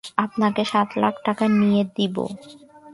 আপনাকে সাত লাখ টাকা নিয়ে দিব।